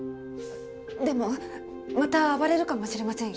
でもまた暴れるかもしれませんよ。